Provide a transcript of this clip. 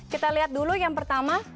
kita lihat dulu yang pertama